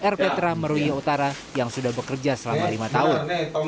rp teram meruih utara yang sudah bekerja selama lima tahun